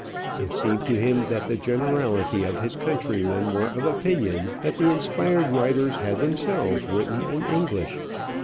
It seemed to him that the generality of his countrymen were of opinion that the inspired writers had themselves written in English.